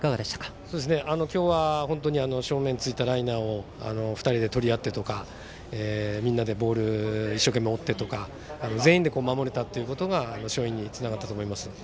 今日は正面を突いたライナーを２人でとり合ってとかみんなでボールを一生懸命追ってとか全員で守れたことが勝利につながったと思います。